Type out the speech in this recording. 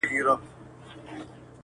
نه مالونه به خوندي وي د خانانو-